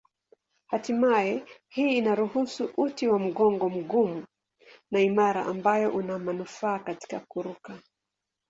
Hatimaye hii inaruhusu uti wa mgongo mgumu na imara ambayo una manufaa katika kuruka.